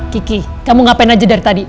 kiki kamu ngapain aja dari tadi